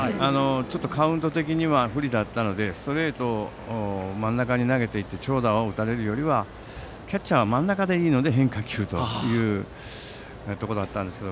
ちょっとカウント的に不利だったので、ストレートを真ん中に投げていって長打を打たれるよりはキャッチャーは真ん中でいいので変化球というところだったんですが。